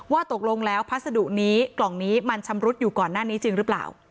ว่าตกลงแล้วพัสดุนี้กล่องนี้มันชำรุดอยู่ก่อนหน้านี้จริงหรือเปล่า